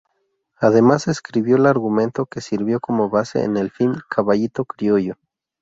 Además escribió el argumento que sirvió como base en el film "Caballito criollo".